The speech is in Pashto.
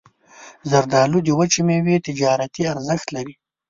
زردالو د وچې میوې تجارتي ارزښت لري.